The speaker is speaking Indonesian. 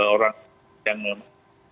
orang yang memiliki